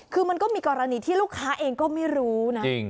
คือมันก็มีกรณีที่ลูกค้าเองก็ไม่รู้นะ